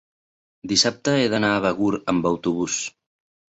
dissabte he d'anar a Begur amb autobús.